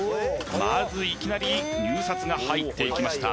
まずいきなり入札が入っていきました